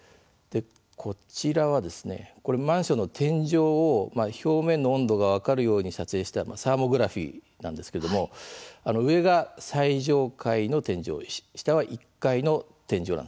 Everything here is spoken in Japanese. こちらは、マンションの天井を表面の温度が分かるように撮影したサーモグラフィーなんですけれども上が最上階の天井下は１階の天井なんです。